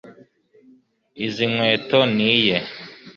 Izi nkweto ni iye